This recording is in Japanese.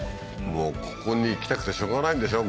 もうここに行きたくてしょうがないんでしょ